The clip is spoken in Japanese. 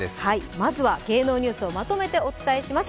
まずは芸能ニュースをまとめてお伝えします。